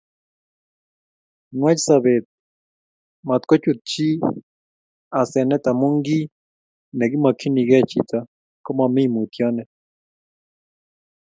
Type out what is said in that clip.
Nwach sobet matkochut chi asenet amu kiy nemokchinikei chito komomii mutyonet